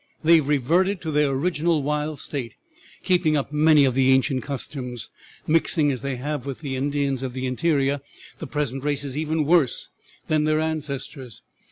They have reverted to their original wild state, keeping up many of the ancient customs. Mixing as they have with the Indians of the interior, the present race is even worse than their ancestors.